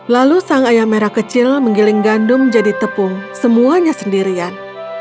lalu sang ayam merah kecil menggiling gandum jadi tepung semuanya sendirian